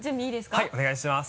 はいお願いします。